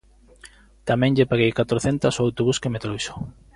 Tamén lle paguei catrocentas ao autobús que me trouxo.